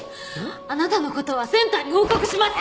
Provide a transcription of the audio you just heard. あなたの事はセンターに報告します！